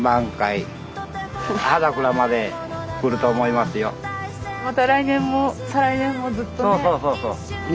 また来年も再来年もずっとね。